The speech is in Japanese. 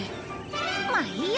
まあいいや。